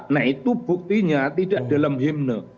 nah itu buktinya tidak dalam himne